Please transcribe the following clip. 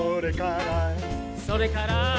「それから」